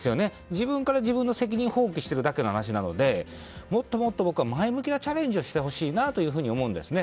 自分から自分の責任を放棄しているだけの話なのでもっともっと僕は前向きなチャレンジをしてほしいと思います。